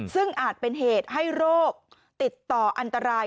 ซึ่งอาจเป็นเหตุให้โรคติดต่ออันตราย